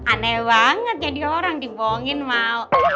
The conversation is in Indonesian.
aneh banget jadi orang dibohongin mau